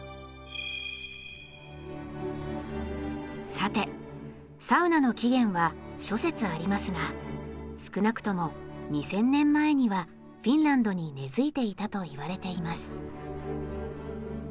さてサウナの起源は諸説ありますが少なくとも２，０００年前にはフィンランドに根づいていたといわれています。